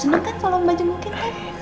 seneng kan kalau baju gue kek